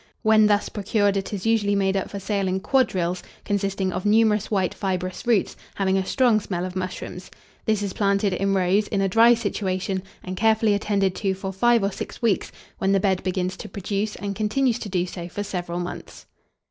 When thus procured, it is usually made up for sale in quadrils, consisting of numerous white fibrous roots, having a strong smell of mushrooms. This is planted in rows, in a dry situation, and carefully attended to for five or six weeks, when the bed begins to produce, and continues to do so for several months.